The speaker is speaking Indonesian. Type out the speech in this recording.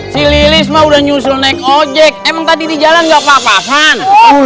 si lilismah udah nyusul naik ojek emang tadi di jalan nggak papa kan